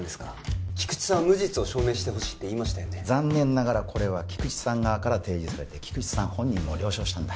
菊池さんは無実を証明してほしいと言いましたよね残念ながらこれは菊池さん側から提示されて菊池さん本人も了承したんだ